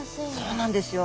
そうなんですよ！